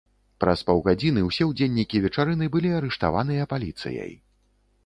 Праз паўгадзіны ўсе ўдзельнікі вечарыны былі арыштаваныя паліцыяй.